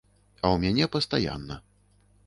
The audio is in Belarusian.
А ў мяне пастаянна.